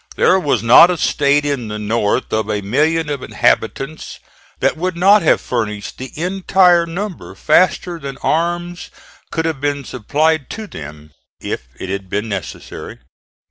There was not a state in the North of a million of inhabitants that would not have furnished the entire number faster than arms could have been supplied to them, if it had been necessary.